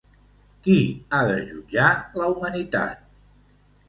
Qui ha de jutjar la humanitat?